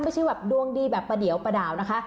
ไม่ใช่แบบดวงดีแบบประเดี่ยวประดาวนะคะ